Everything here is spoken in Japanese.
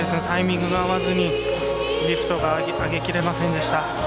タイミングが合わずにリフトが上げきれませんでした。